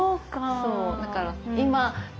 そうだから今うん。